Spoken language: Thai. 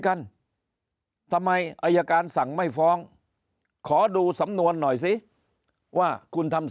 กันทำไมอายการสั่งไม่ฟ้องขอดูสำนวนหน่อยสิว่าคุณทำ